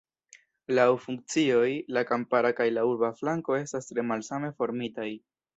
Laŭ funkcioj la kampara kaj la urba flanko estas tre malsame formitaj.